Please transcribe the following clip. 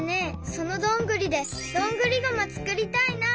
そのどんぐりでどんぐりゴマつくりたいな！